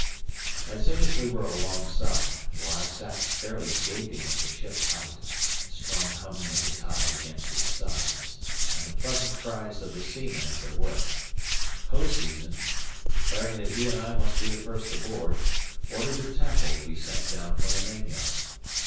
As soon as we were alongside (where I sat fairly gaping at the ship's height, the strong humming of the tide against its sides, and the pleasant cries of the seamen at their work) Hoseason, declaring that he and I must be the first aboard, ordered a tackle to be sent down from the main yard.